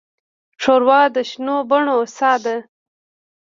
ښوروا د شنو بڼو ساه ده.